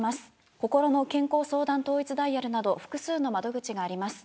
こころの健康相談統一ダイヤルなど複数の窓口があります。